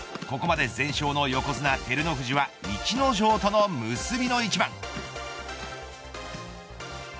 ここまで全勝の横綱、照ノ富士は逸ノ城との結びの一番。